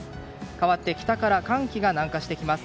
変わって北から寒気が南下してきます。